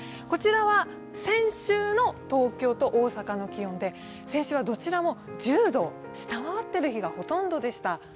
こちらは先週の東京と大阪の気温で先週は、どちらも１０度を下回っている日がほとんどでした。